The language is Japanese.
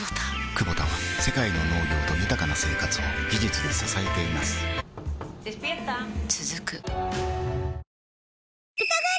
クボタは世界の農業と豊かな生活を技術で支えています起きて。